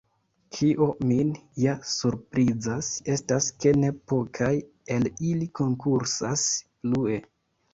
Kio min ja surprizas estas ke ne pokaj el ili konkursas plue!